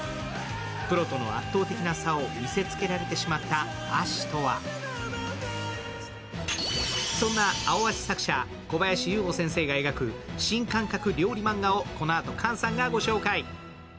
プロとの圧倒的な差を見せつけられてしまった葦人はそんな「アオアシ」作者・小林有吾先生が描く新感覚料理マンガをこのあと菅さんが御紹介。